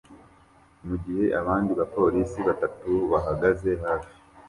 mugihe abandi bapolisi batatu bahagaze hafi